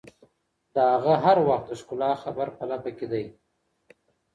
د هغه هر وخت د ښکلا خبر په لپه کي دي